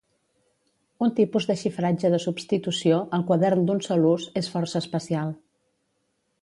Un tipus de xifratge de substitució, el quadern d'un sol ús, és força especial.